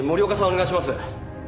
お願いします。